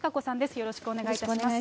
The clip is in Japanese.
よろしくお願いします。